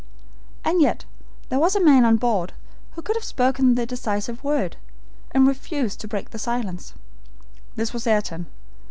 And yet there was a man on board who could have spoken the decisive word, and refused to break his silence. This was Ayrton.